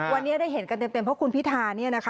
วันนี้ได้เห็นกันเต็มเพราะคุณพิธา